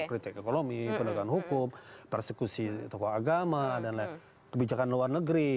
kita kritik ekonomi pendekatan hukum persekusi tokoh agama dan lain lain kebijakan luar negeri